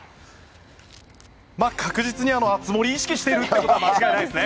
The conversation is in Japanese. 確実に熱盛を意識しているのは間違いないですね。